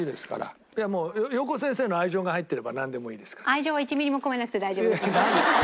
愛情は１ミリも込めなくて大丈夫です。